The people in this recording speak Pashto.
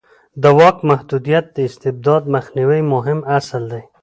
د واک محدودیت د استبداد د مخنیوي مهم اصل دی